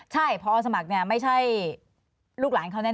ใช่พอสมัครเนี่ยไม่ใช่ลูกหลานเขาแน่